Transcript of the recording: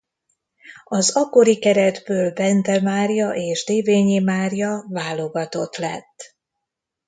Az akkori keretből Bende Mária és Dévényi Mária válogatott lett.